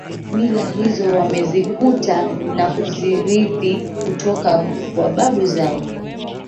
mila hizo wamezikuta na kuzirithi kutoka kwa babu zao